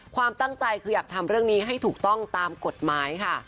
ความตั้งใจคืออยากทำเรื่องนี้ให้ถูกต้องตามกฎหมายค่ะ